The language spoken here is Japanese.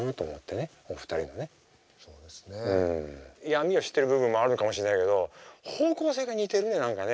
闇を知ってる部分もあるのかもしれないけど方向性が似てるね何かね。